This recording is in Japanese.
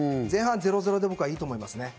前半０対０で僕はいいと思います。